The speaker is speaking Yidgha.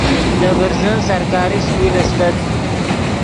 دے برزن سرکاری سکول استت